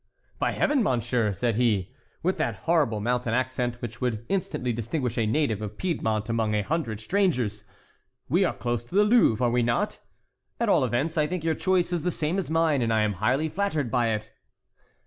"By Heaven! monsieur," said he, with that horrible mountain accent which would instantly distinguish a native of Piedmont among a hundred strangers, "we are close to the Louvre, are we not? At all events, I think your choice is the same as mine, and I am highly flattered by it."